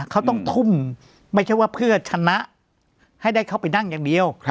เขาต้องทุ่มไม่ใช่ว่าเพื่อชนะให้ได้เข้าไปนั่งอย่างเดียว